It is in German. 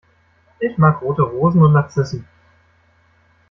Ich mag rote Rosen und Narzissen.